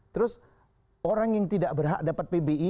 terus orang yang tidak berhak dapat pbi